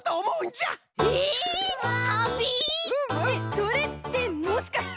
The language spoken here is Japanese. それってもしかして。